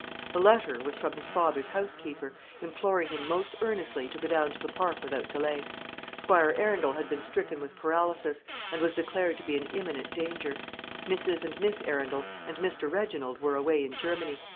The letter was from his father's housekeeper, imploring him most earnestly to go down to the Park without delay. Squire Arundel had been stricken with paralysis, and was declared to be in imminent danger. Mrs. and Miss Arundel and Mr. Reginald were away in Germany.